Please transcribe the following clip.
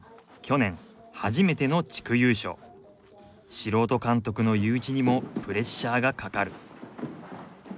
素人監督のユーイチにもプレッシャーがかかる。